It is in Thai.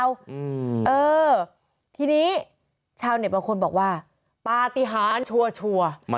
เออทีนี้ชาวเน็ตบางคนบอกว่าปฏิหารชัวร์